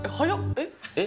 えっ？